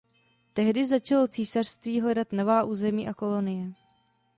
Tehdy začalo císařství hledat nová území a kolonie.